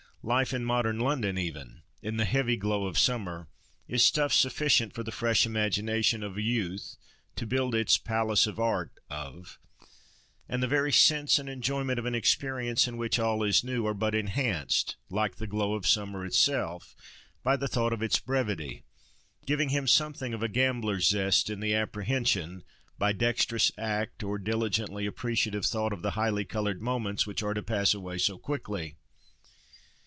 Life in modern London even, in the heavy glow of summer, is stuff sufficient for the fresh imagination of a youth to build its "palace of art" of; and the very sense and enjoyment of an experience in which all is new, are but enhanced, like that glow of summer itself, by the thought of its brevity, giving him something of a gambler's zest, in the apprehension, by dexterous act or diligently appreciative thought, of the highly coloured moments which are to pass away so quickly.